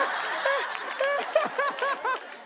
アハハハッ！